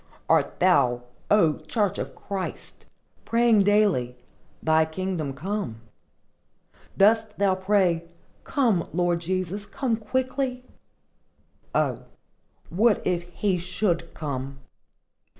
Art thou, O church of Christ! praying daily, "Thy kingdom come"? Darest thou pray, "Come, Lord Jesus, come quickly"? O, what if He should come?